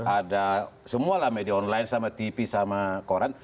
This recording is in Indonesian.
ada semualah media online sama tv sama koran